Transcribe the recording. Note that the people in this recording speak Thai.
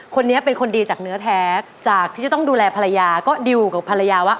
คนนี้เป็นคนดีจากเนื้อแท้จากที่จะต้องดูแลภรรยาก็ดิวกับภรรยาว่า